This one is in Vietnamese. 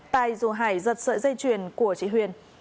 tài dù hải giật sợi dây chuyền của chị huyền